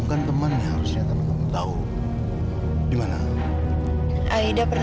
itu warungnya pak